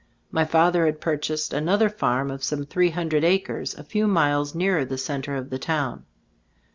My father had purchased another farm of some three hundred acres, a few miles nearer the center of the town.